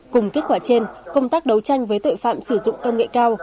cùng kết quả trên công tác đấu tranh với tội phạm sử dụng công nghệ cao